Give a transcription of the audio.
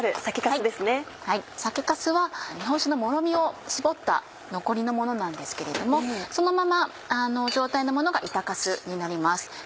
酒粕は日本酒のもろみを搾った残りのものなんですけれどもそのままの状態のものが板粕になります。